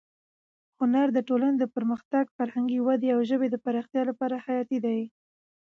هنر د ټولنې د پرمختګ، فرهنګي ودې او ژبې د پراختیا لپاره حیاتي دی.